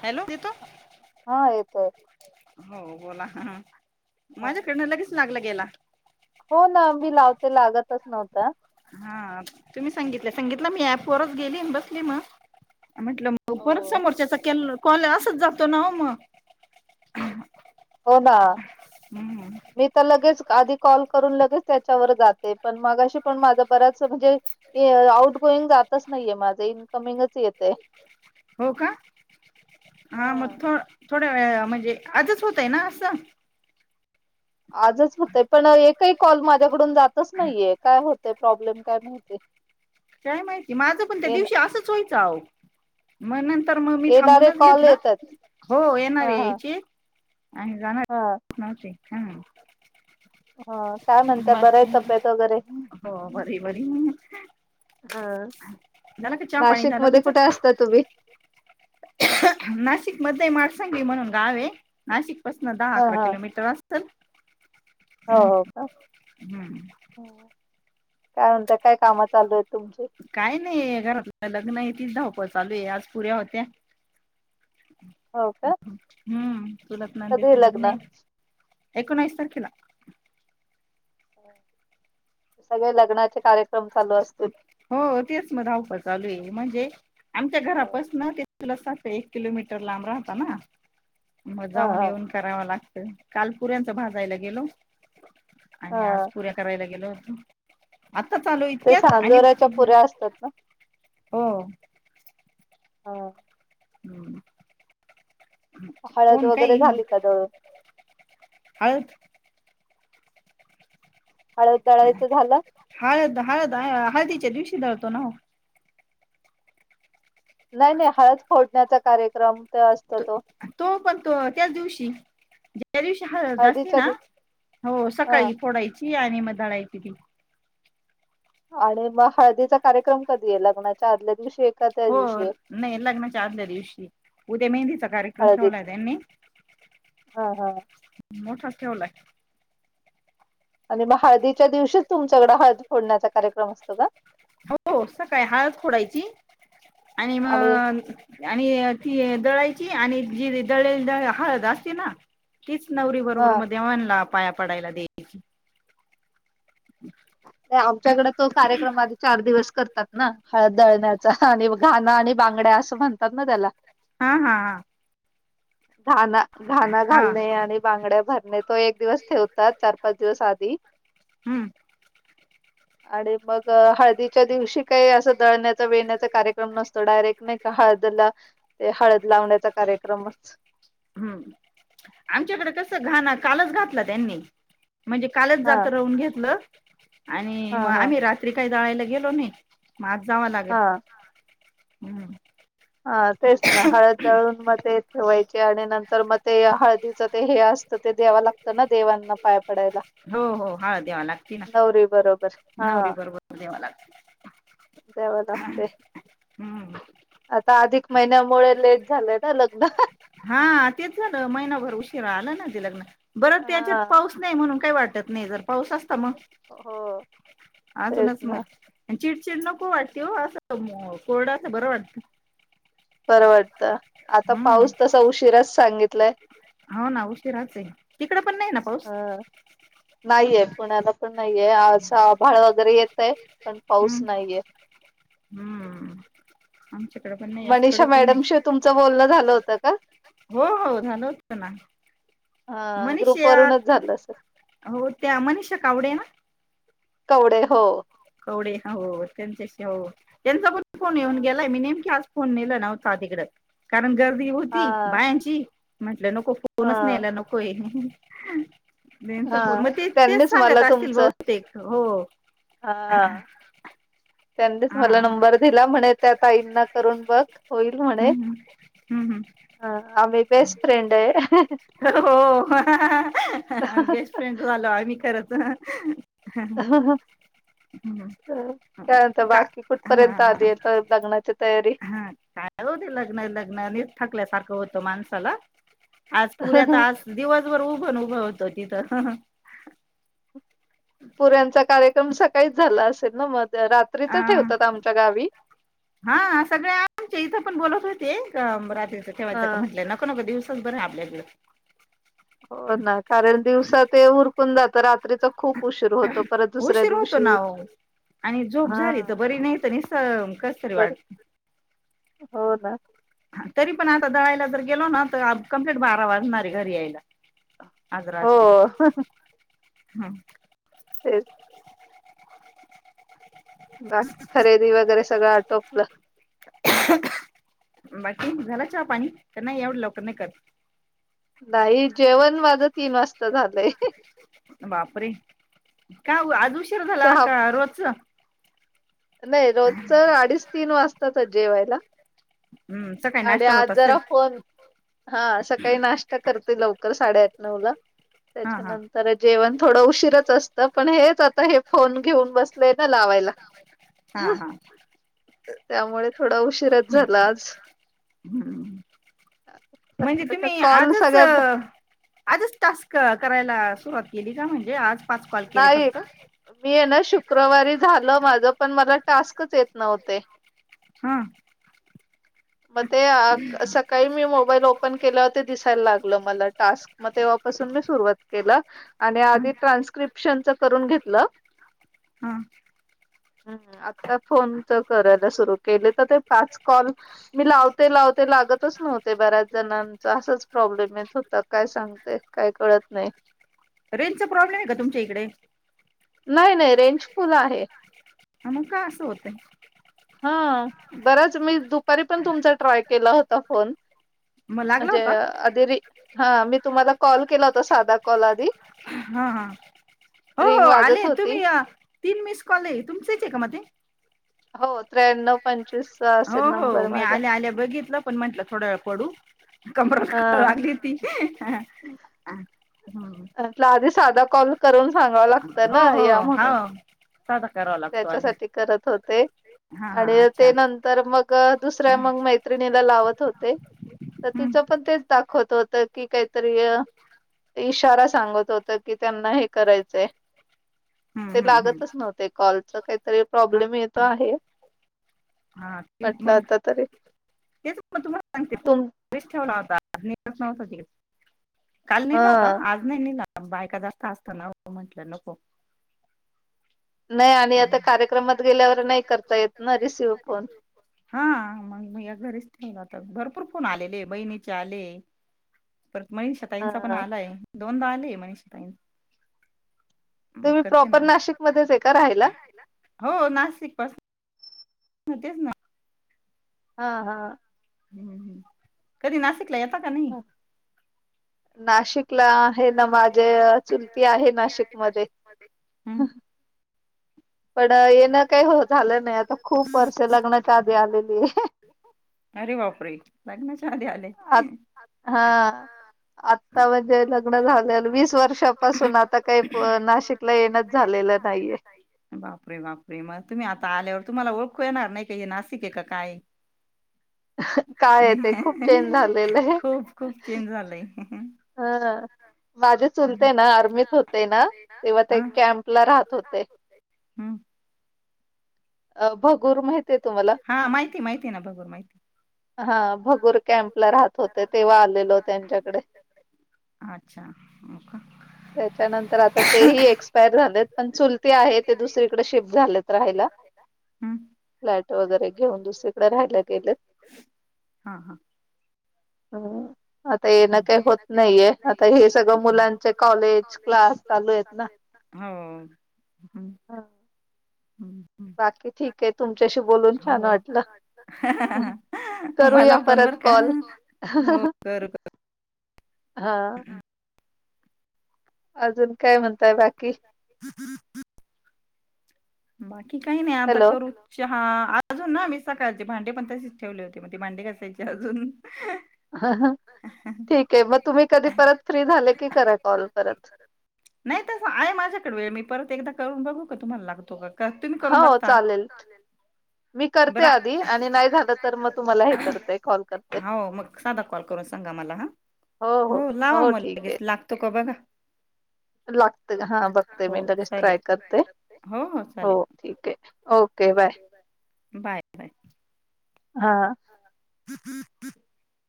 Hello येतो हा येतोय. हो बोला हा. माझ्याकडनं लगेच लागलं गेला हो ना मी लावते लागतच नव्हता हा तुम्ही सांगितलं सांगितलं मी ऍपवरच गेली बसली मग म्हटलं परत हो समोरच्याचा कॉल असच जातो ना मग हो ना हम्म. मी तर लगेच आधी कॉल करून लगेच त्याच्यावर जाते पण मगाशी पण माझ बऱ्याच म्हणजे ए आउट गोइंग जातच नाहीये माझं इनकमिंगच येते. हो का हा मग थो थोड्या वेळ म्हणजे आजच होतय ना असं आजच होतय पण एकही कॉल माझ्याकडून जातच नाहीये काय होतय प्रॉब्लेम काय माहिती? काय माहिती माझं पण त्या ये दिवशी असंच व्हायचं अहो मग नंतर मग मी येणारे थांबूनच कॉल घेतलं येतात हो हा येणारे हा याची आणि जाणार हा न्हवते ह ह काय म्हणताय बर आहे मग तब्येत वगैरे हो बरी बरी हा झाला का चहा पाणी झालं नाशिकमध्ये तुमचा कुठे असता तुम्ही? नाही नाशिक मध्ये मासंगी म्हणून गाव आहे नाशिक पासन दहा हा अकरा हा किलोमीटर असल हो हुं हो हुं का. काय म्हणताय. काय नाही घरातलं लग्न आहे तीच धाव पळ चालू आहे आज पुऱ्या होत्या. हो का हुं चुलत नंदेचे लग्न आहे. ऐकोणवीस तारखेला. सगळे लग्नाचे कार्यक्रम चालू असतील. हो तेच म धावपळ चालू आहे, म्हणजे आमच्या हा घरापासन ते चुलत सासू एक किलोमीटर लांब राहत ना मग जाऊन हा येऊन करावं लागत. काल पुऱ्यांचा भाजायला गेलो आणि आज हा पुऱ्या करायला गेलो. आत्ताच आलो इतक्यात आणि साजोऱ्याचा पुऱ्या असतात ना? हो हा. हम्म. हळद कोण वगैरे काही झाली का दळून हळद हळद दळायचं झालं हळद हळद हळदीच्या दिवशी दळतो ना वो. नाही नाही हळद फोडण्याचा कार्यक्रम? ते असतो तो तो पण तो त्याच दिवशी. त्या दिवशी हळद असली हळदीच्या ना दिव हो हा सकाळी फोडायची आणि मग दळायची ती. आणि मग हळदीचा कार्यक्रम कधी आहे लग्नाच्या आदल्या दिवशी. का त्या हो दिवशी आहे नाही लग्नाच्या आदल्या दिवशी उद्या मेहंदीचा कार्यक्रम ठेवला हळदीच आहे त्यांनी. हा हा मोठाच ठेवलाय. आणि मग हळदीच्या दिवशीच तुमच्याकडं हळद फोडण्याचा कार्यक्रम असतो का? हो सकाळी हळद खोडायची आणि मग आणि ती दळाई ची आणि जी दळलेली दळ हळद असते ना तीच नवरी हा बरोबर मग देवानला पाया पडायला द्यायची. आमच्याकडे तो कार्यक्रम आधी चार दिवस करतात ना हळद दळण्याचा आणि मग- घाणा आणि बांगड्या असं म्हणतात ना त्याला. हा हा हा घाणा घाणा हा घालणे आणि बांगड्या भरणे तो एक दिवस ठेवतात चार पाच दिवस आधी. हम्म. आणि मग हळ दिच्या दिवशी काही असं दळण्याचा वेण्याचा कार्यकम नसतो डायरेक्ट ना हळदला ते हळद लावण्याचा कार्यक्रमच. हम्म आमच्याकडे कस घाणा कालच घातला त्यांनी. म्हणजे कालच हा जात रहून घेतलं आणि हा मग हा आम्ही रात्री काय जायला गेलो ना मज जाव लागेल हा हम्म. हा तेच ना हळद दळून मग ते ठेवायचे आणि नंतर मग ते हळदीच ते हे अस त ते द्याव लागत ना देवांना पाय पडायला, हो हो हळद द्यावा लागते ना नवरी बरोबर. हा नवरी बरोबर देवाला द्यावं लागते हम्म. आता अधिक महिन्यामुळे लेट झालंय ना लग्न. हा तेच झालं महिनाभर उशीरा आला ना. लग्न बर हा त्याच्यात पाऊस नाही म्हणून काही वाटत नाही जर पाऊस असत मग. हो तेच आजूनच ना मज चिडचिड नको वाटते हो असं कोरडा असं बरं वाटतं. बरं वाटतं आता हम्म पाऊस तसा उशिराच सांगितलाय. हो ना उशीराच आहे. तिकड पण नाही ना पाऊस? ह नाहीये पुण्याला पण नाहीये आज आभाळ वगैरे येतय पण पाऊस हम्म नाहीये. हम्म. आमच्याकडे पण नाही असं मनीषा कडक ऊन आहे मॅडमशी तुमचं बोलणं झालं होतं का? हो हो झालं होत ना. हा मनीष ग्रुप या वरूनच झालं असेल हो त्या मनीषा का आवडे ना कवडे हो कवडे हो त्यांच्याशी हो त्यांचा पण फोन येऊन हा गेलाय मी नेमकीे फोन नेलं नव्हता तिकड कारण गर्दी होती हा बायांची आप नको फोनच न्यायला नकोय बेनचा हा फोन मग ते तेच त्यांनीच मला सांगत असतील तुमचं बहुतेक हो ह हा त्यांनीच मला नंबर दिला म्हणे त्या त आाईंना करून बघ होईल म्हणे हम्म हम्म ह आ मही बेस्ट फ्रेड आहे हो बेस्ट फ्रेंड झालो आ्ही खरच काय का बाकी कुठपर्यंत हा आधी य लग्नाच्या हा काय होते लग्न लग्न न थकल्यासारखं होतं माणसाला आज पुऱ्यात आज दिवसभर उभं उभं होतं तिथं पुऱ्यांचा कार्यक्रम सकाळीच झाला असेल ना मग रात्रीच अ ठेवतात आमच्या गावी. हा सगळे आमचे इथ पण बोलत होते रात्रीच ठेवायचं का हा म्हटलंय नको नक दिवसच बरं आहे आपल्याकडे हो ना कारण दिवसात ते उरकून जात रात्रीचा खूप उशीर होतो परत दुसऱ्या उशीर होतो दिवशी आणि झोप हा झाली तर बरी नाही तर निसम कस तरी बर वाट हो ना तरी पण आता दडयला ज गेलो ना तर कंप्लीट बारा वाजणारे घरी यायला आज हो राात्री हम्. [unintelligible] बाकी खरेदी वगैरे सगळं आटोपलं. बाकी झाला चहा पाणी त्यां नाही एवढं लवकर नाही कर. नाही जेवण माझं तीन वाजता झालंय. काय आज उशार झाला चहा का रोजच. नाही रोजच अडीच तीन वाजताच जेवायला. हम्म सकाळी आणि नाश्ता आज होत असेल जरा फोन हा सकाळी नाश्ता करते लवकर. साडे आठ नऊ ला हा हा त्याच्यानंतर जेवण. थोडं उशीरच असतं पण हेच आता हे फोन घेऊन बसलेय ना लावायला. हा हा त्यामुळे थोडा उशीिराच झाला आज. हम्म म्हणजे त्याचा तुम्ही कॉल आजच सगळ्यात आजच टास्क करायला. सुरवात केली का म्हणजे आज. पाच कॉल केले नाही फक्त मी आहे ना शुक्रवारी झालं माझ पण मला. टास्कच येत नव्हते. हा मग ते सकाळी मी मोबाईल ओपन केलाते दिसायला लागलं मला टास्क म तेव्हापासून. सुरवात के आणि हा आधी ट्रान्स्क्रिप्शन करून घेतलं. हम हम्म आ फोन तर करायला सुरु केले तर ते पाच कॉल मी लावते लावते लागतच नव्हते. ते बऱ्याच जणांचा असच प्रॉब्लेम येत होता काय सांगते काय कळत नाही. रेंजचा प्रॉब्लेम आहे का तुमच. नाही नाही रेंज फुल आहे ह मग काय असं होतंय हा बराच मी दुपारी पण तुमचा ट्राय केला होता फोन. मग लागला म्हणजे होता आधी र हा मी तुम्हाला कॉल केला होता साधा कॉल आधी हा हा हो रिंग हो वाजत आले होती तुम्ही तीन मिस कॉल आहे तुमचेच आहे का म ते? हो त्र्याण्व प हो हो मी आल्या आल्या बघितलं पण म्हंटलं थोड्या वेळ पडू. हा कबरं लागली होती. म्हटल आधी साधा कॉल करून सांगावं लागतं हो ना हो या हो म्हणून. साधा करावा लागतो आधी त्याच्यासाठी करत हो ते हा हा आणि अच्छा ते नंतर मग दुसऱ्या मग मैत्रिणीला लावत होते. तर हम्म तिचं पण तेच दाखवत होत की काही तरी इश हम्म हम्म हम्म. कॉल चा काही तरी प्रोब्लेम येतो आहे. हा ते म्हटलं आता तरी तेच म तुम्हाला सांगते तुम [unintelligible] ठेवला होता [unintelligible] काल नेला होता हा आज नाही नेला. बायका जास्त असता ना ओ म्हंटलं नको. नाही आणि आता कार्यक्रमात गेल्यावर नाही करता येत. हम्म. म या घरीच ठेवला आता भरपूर फोन आलेले बहिणीचे आले ये. परत मनीषा ताईंचा पण हा आलाय दोनदा आले मनीषा ताई चे मग तुम्ही करते प्रॉपर नाशिकमध्येच आहे का राहायला नाशिक हो नाशिक पासून हो तेच ना. हा हा. कधी नाशिकला येता का नाही. नाशिक. नाशिकला आहे ना माझे [unintelligible] आहे नाशिक मध्ये पण येणं काही हो झालं नाही आता खूप वर्ष लग्नाच्या आधी आलेली आहे. अरे बापरे! लग्नाच्या आधी आले. आ हा आता व लग्न झाल्यावर वीस वर्षापासून आता काही प नाशिकला येणच झालेलं नाहीये. बाप. बापरे बापरे मग तुम्ही आता आल्यावर तुम्हाला ओळखू येणार नाही का हे नाशिक आहे का काय? काय आहे ते खूप चेंज झालेलं खूप खूप चेंज झालय. हा. माझे चुलते ना आर्मीत होते ना, तेव्हा हा ते कॅम्प ला राहत होते. हम्म. अ भगूर माहितीय तुम्हाला हा माहिती माहिती ना भगूर माहितीये. हा भगूर कॅम्प ला राहत होते, तेव्हा आलेलो त्यांच्याकडे. अच्छा. त्याच्यानंतर आता तेही एक्सपायर झालेत पण चुलती आहे ते दुसरीकडे शिफ्ट झालेत राहायला. हम्म फ्लॅट वगैरे घेऊन दुसरीकडें राहायला गेलेत. हा हा हम् आता येन हम्म. काय होत आता हे सगळं मुलांचे कॉलेज क्लास चालू आहेत ना. हव. हं. बाकी ठीक आहे तुमच्याशी बोलून हो छान हो. वाटलं. करूया मला पण परत बर का कॉल. हो करू हा. अजून काय म्हणताय बाकी? बाकी काही नाही आता हॅलो. करू चा हा अजून ना मी सकाळचे भांडे पण तशीच ठेवले होते मग ते भांडे घासायचे अजून [unintelligible] ठीक आहे मग तुम्ही कधी परत फ्री झाले की करा कॉल परत. नाही तसं आहे माझ्याकडे वेळ मी परत एकदा करून बघू का तुम्हाला लागतो का? तुम्ही करून हो बघता चालेल मी बर करते आधी आणि नाही झालं तर मग तुम्हाला हे करते कॉल करते. हो मग साधा कॉल कर सांगा मला हो हो ह लावा हो म ठीक लगेच आहे लागतो का बघा लागते का हा बघते मी हो लगेच ट्राय चालेल करते हो ठीक आहे ओके बाय बाय बाय हा ह हम ह